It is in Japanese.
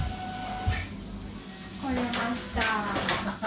来れました。